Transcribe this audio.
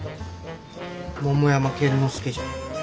桃山剣之介じゃ。